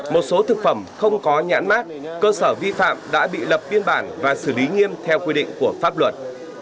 một số thực phẩm không có nhãn mát cơ sở vi phạm đã bị lập biên bản và xử lý nghiêm theo quy định của pháp luật